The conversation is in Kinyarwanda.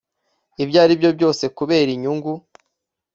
Ibyo aribyo byose kubera inyungu